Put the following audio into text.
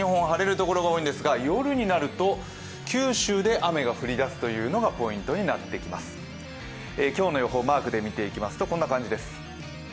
晴れるところが多いですが、夜になると九州で雨が降りだすというのが、ポイントになっています、今日の予報マークで見ていきますとこんな感じです。